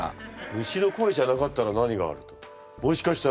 「虫の声」じゃなかったら何があると？